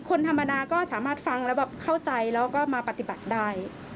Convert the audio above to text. คนธรรมาณาก็สามารถฟังและเข้าใจก็มาปฏิบัติได้